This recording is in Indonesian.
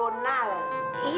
yang banyak payetnya